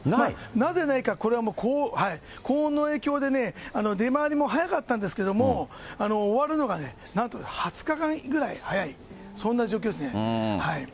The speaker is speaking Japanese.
なぜないか、これ高温の影響で、出回りも早かったんですけども、終わるのがなんと、２０日間ぐらい早い、そんな状況ですね。